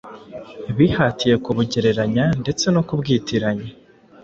bihatiye kubugereranya ndetse no kubwitiranya